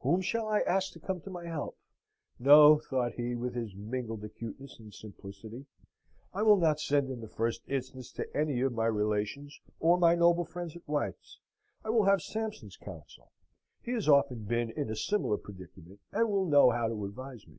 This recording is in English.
Whom shall I ask to come to my help? No," thought he, with his mingled acuteness and simplicity, "I will not send in the first instance to any of my relations or my noble friends at White's. I will have Sampson's counsel. He has often been in a similar predicament, and will know how to advise me."